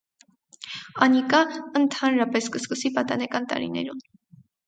Անիկա ընդհանրապէս կը սկսի պատանեկան տարիներուն։